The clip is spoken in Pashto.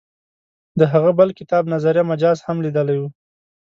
د هغه بل کتاب نظریه مجاز هم لیدلی و.